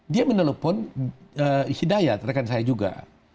dia menelpon ishidayat rekan saya juga